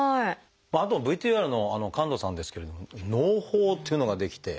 あとＶＴＲの神門さんですけれどものう胞っていうのが出来て。